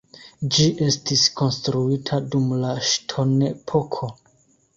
Ĝi estis konstruita dum la ŝtonepoko.